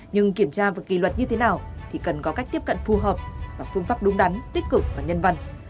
nhưng kiểm tra và kỳ luật như thế nào thì cần có cách tiếp cận phù hợp và phương pháp đúng đắn tích cực và nhân văn